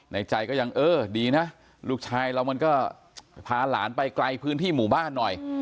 ใจก็ยังเออดีนะลูกชายเรามันก็พาหลานไปไกลพื้นที่หมู่บ้านหน่อย